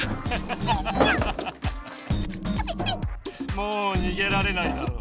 もうにげられないだろう。